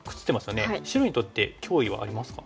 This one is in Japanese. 白にとって脅威はありますか？